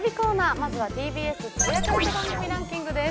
まずは「ＴＢＳつぶやかれた番組ランキング」です。